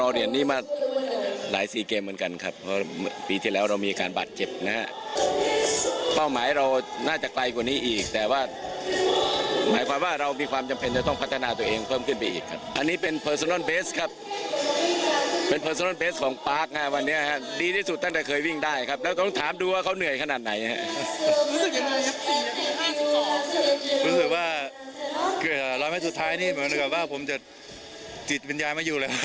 รู้สึกว่าเกลียดร้อนแม่สุดท้ายนี่เหมือนกับว่าผมจะจิตวิญญาณไม่อยู่เลยเหนื่อยมากครับ